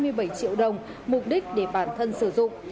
giá là hai mươi bảy triệu đồng mục đích để bản thân sử dụng